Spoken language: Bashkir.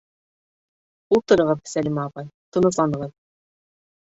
— Ултырығыҙ, Сәлимә апай, тынысланығыҙ.